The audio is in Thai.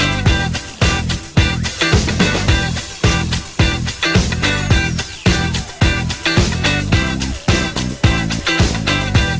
โอเควันนี้เราขอบคุณมากนะครับ